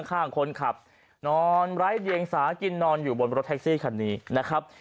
ข้างคนขับนอนไร้เดียงสากินนอนอยู่บนรถแท็กซี่คันนี้นะครับ